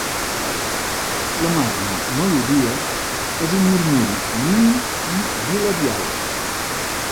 La magna melodia és un murmuri mínim i bilabial.